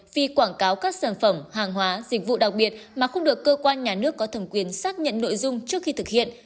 vì quảng cáo các sản phẩm hàng hóa dịch vụ đặc biệt mà không được cơ quan nhà nước có thẩm quyền xác nhận nội dung trước khi thực hiện